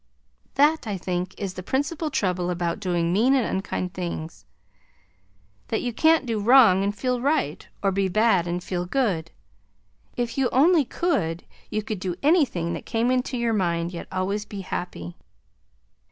That, I think, is the principal trouble about doing mean and unkind things; that you can't do wrong and feel right, or be bad and feel good. If you only could you could do anything that came into your mind yet always be happy.